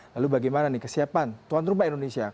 lalu bagaimana kesiapan tuan rupa indonesia